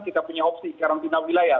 kita punya opsi karantina wilayah